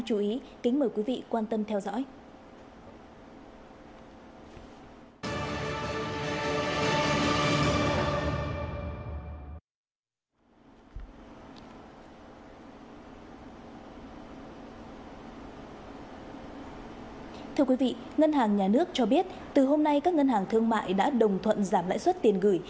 thưa quý vị ngân hàng nhà nước cho biết từ hôm nay các ngân hàng thương mại đã đồng thuận giảm lãi suất tiền gửi